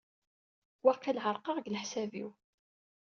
Waqil ɛerqeɣ deg leḥsabat-iw.